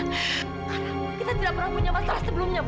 karena kita tidak pernah punya masalah sebelumnya ibu